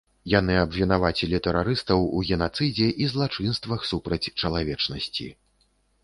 Яны абвінавацілі тэрарыстаў у генацыдзе і злачынствах супраць чалавечнасці.